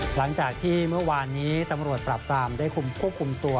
หลังจากที่เมื่อวานนี้ตำรวจปราบปรามได้คุมควบคุมตัว